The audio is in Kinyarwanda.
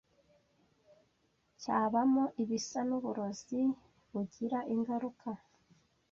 cyabamo ibisa n’uburozi bugira ingaruka